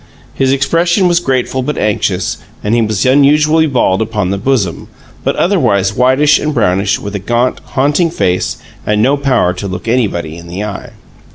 His expression was grateful but anxious, and he was unusually bald upon the bosom, but otherwise whitish and brownish, with a gaunt, haunting face and no power to look anybody in the eye.